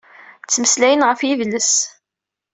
Ttmeslayen ɣef yedles